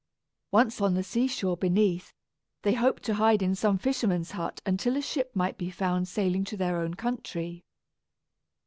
Once on the sea shore beneath, they hoped to hide in some fisherman's hut until a ship might be found sailing to their own country.